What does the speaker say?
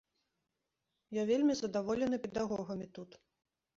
Я вельмі задаволены педагогамі тут.